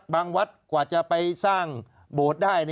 วัดกว่าจะไปสร้างโบสถ์ได้